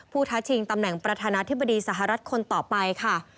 ท้าชิงตำแหน่งประธานาธิบดีสหรัฐคนต่อไปค่ะ